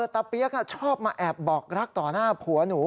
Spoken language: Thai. เปี๊ยกชอบมาแอบบอกรักต่อหน้าผัวหนู